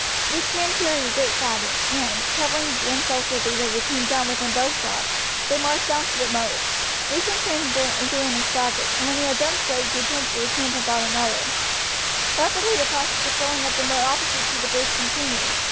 Each man carried a great faggot, and, covering themselves with these as they came within bowshot, they marched down to the moat. Each in turn threw in his faggot, and when he had done so returned to the camp and brought back another. Rapidly the process of filling up the moat opposite to the breach continued.